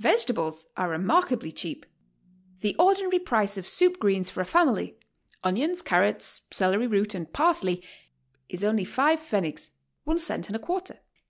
Vegetables are remarkably cheap. The ordinary price of soup greens for a family — onions, carrots, celery root, and parsley — is only five pfennigs (one cent and a quarter).